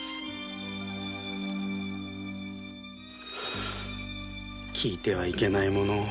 あぁ聞いてはいけないものを。